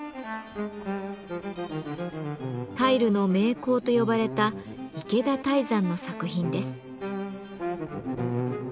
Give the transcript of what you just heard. タイルの名工と呼ばれた池田泰山の作品です。